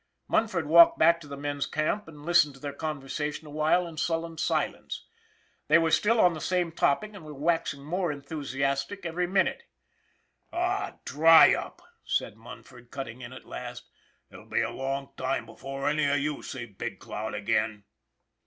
Munford walked back to the men's camp and listened to their conversation awhile in sullen silence. They were still on the same topic and were waxing more enthusiastic each minute. " Aw, dry up !" said Munford, cutting in at last. " It'll be a long time before any of you see Big Cloud again."